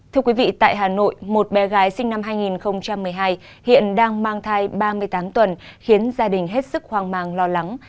thưa quý vị tại hà nội một bé gái sinh năm hai nghìn một mươi hai hiện đang mang thai ba mươi tám tuần khiến gia đình hết sức hoang mang lo lắng